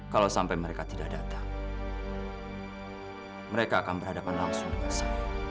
kalau sampai mereka tidak datang mereka akan berhadapan langsung dengan saya